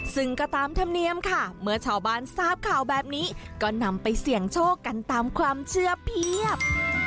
ซึ่งก็ตามธรรมเนียมค่ะเมื่อชาวบ้านทราบข่าวแบบนี้ก็นำไปเสี่ยงโชคกันตามความเชื่อเพียบ